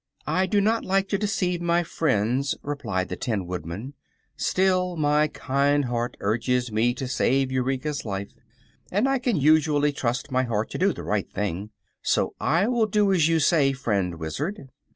"I do not like to deceive my friends," replied the Tin Woodman; "still, my kind heart urges me to save Eureka's life, and I can usually trust my heart to do the right thing. So I will do as you say, friend Wizard."